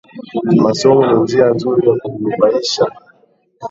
Masomo ni njia nzuri ya kujinufaisha